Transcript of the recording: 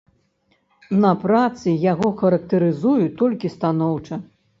На працы яго характарызуюць толькі станоўча.